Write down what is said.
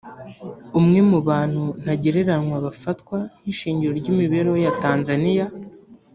umwe mu bantu ntagereranywa bafatwa nk’ishingiro ry’imibereho ya Tanzania